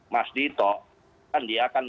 mas dito kan dia akan